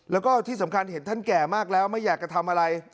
แล้วก็ที่สำคัญเห็นท่านแก่มากแล้วไม่อยากจะทำอะไร